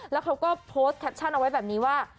แล้วเขาก็โพสต์แคปชั่นเอาไว้แบบนี้ว่า